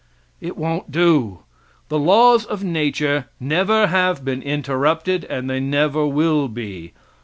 It won't do. The laws of nature never have been interrupted, and they never will be.